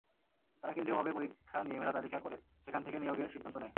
তারা কেন্দ্রীয়ভাবে পরীক্ষা নিয়ে মেধাতালিকা করে সেখান থেকে নিয়োগের সিদ্ধান্ত নেয়।